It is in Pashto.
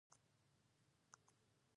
• د برېښنا د تولید بدیلې لارې باید وڅېړل شي.